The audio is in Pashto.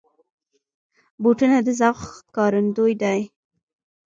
بوټونه د ذوق ښکارندوی دي.